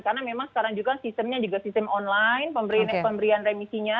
karena memang sekarang juga sistemnya juga sistem online pemberian remisinya